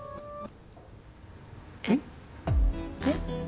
えっ？えっ？